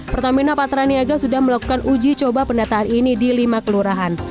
pertamina patraniaga sudah melakukan uji coba pendataan ini di lima kelurahan